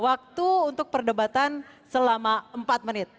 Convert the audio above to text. waktu untuk perdebatan selama empat menit